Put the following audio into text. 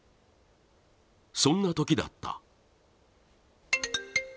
そんなときだった。